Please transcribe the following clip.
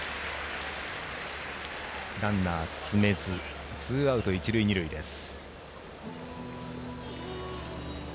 ランナー進めずツーアウト、一塁二塁です。